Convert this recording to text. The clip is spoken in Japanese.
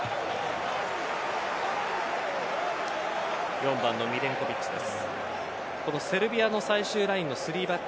４番のミレンコヴィッチです。